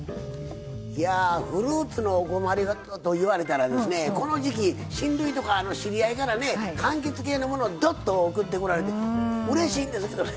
いや、フルーツのお困りごとと言われたらこの時季、親類とか知り合いからかんきつ系のものをどっと送ってもらってうれしいんですけどね